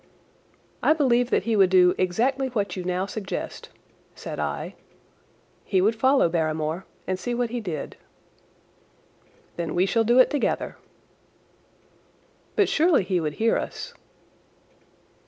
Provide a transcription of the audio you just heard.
"I believe that he would do exactly what you now suggest," said I. "He would follow Barrymore and see what he did." "Then we shall do it together." "But surely he would hear us."